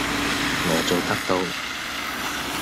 我做得到!